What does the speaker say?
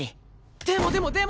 でもでもでも！